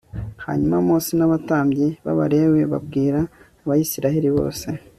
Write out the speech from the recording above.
hanyuma mose n abatambyi b abalewi babwira abisirayeli bose